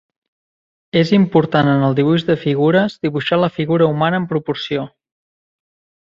És important en el dibuix de figures dibuixar la figura humana en proporció.